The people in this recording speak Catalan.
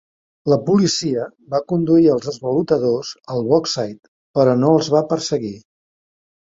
La policia va conduir els esvalotadors al Bogside, però no els va perseguir.